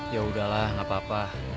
yaudah lah ga apa apa